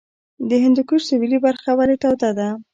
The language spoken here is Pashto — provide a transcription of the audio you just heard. د هندوکش سویلي برخه ولې توده ده؟